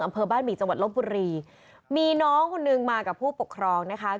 อำเภอบ้านหมี่จังหวัดลบบุรีมีน้องคนนึงมากับผู้ปกครองนะคะ